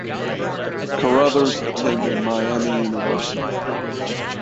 Carruthers attended Miami University.